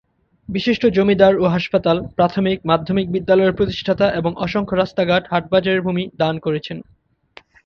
বিশিষ্ট জমিদার ও হাসপাতাল, প্রথমিক-মাধ্যমিক বিদ্যালয়ের প্রতিষ্ঠাতা এবং অসংখ্য রাস্তাঘাঁট, হাটবাজারের ভূমি দান করেছেন।